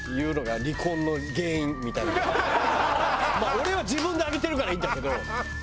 俺は自分で揚げてるからいいんだけど。